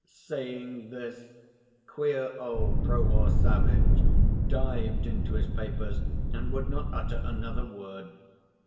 He he he!" Saying this, queer old Prohor Savvitch dived into his papers and would not utter another word.